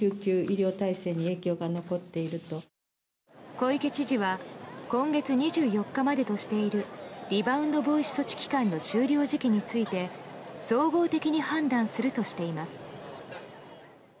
小池知事は今月２４日までとしているリバウンド防止措置期間の終了時期について総合的に判断するとしています。